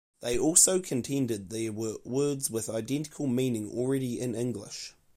They also contended that there were words with identical meaning already in English.